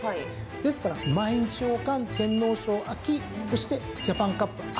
ですから毎日王冠天皇賞そしてジャパンカップ有馬記念。